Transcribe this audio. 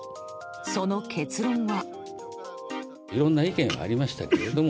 その結論は。